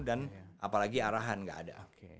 dan apalagi arahan gak ada